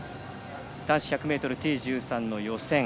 男子１００ｍＴ１３の予選。